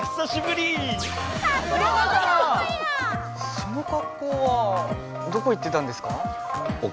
そのかっこうはどこ行ってたんですか？